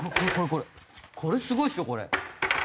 これすごいですよこれ。